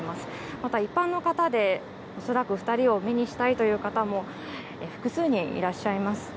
また一般の方で、恐らく２人を目にしたいという方も複数人いらっしゃいます。